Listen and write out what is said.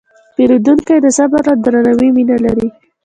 پیرودونکی د صبر او درناوي مینه لري.